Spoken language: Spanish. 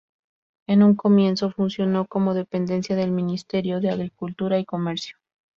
En un comienzo funcionó como dependencia del Ministerio de Agricultura y Comercio.